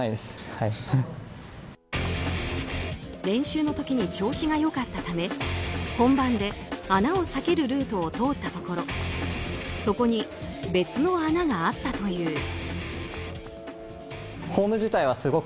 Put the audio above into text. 練習の時に調子が良かったため本番で穴を避けるルートを通ったところそこに別に穴があったという。